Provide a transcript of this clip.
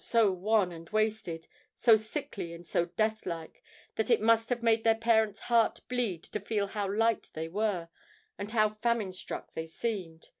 so wan and wasted—so sickly and so death like—that it must have made their parents' hearts bleed to feel how light they were, and how famine struck they seemed!